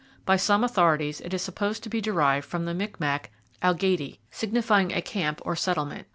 By some authorities it is supposed to be derived from the Micmac algaty, signifying a camp or settlement.